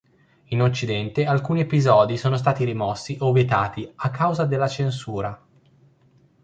In Occidente alcuni episodi sono stati rimossi o vietati a causa della censura.